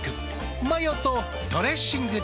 マヨとドレッシングで。